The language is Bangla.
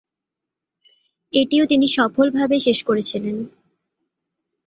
এটিও তিনি সফলভাবে শেষ করেছিলেন।